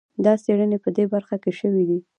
دا څېړنې په دې برخه کې شوي دي.